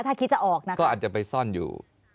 ถ้าคิดจะออกนะคะก็อาจจะไปซ่อนอยู่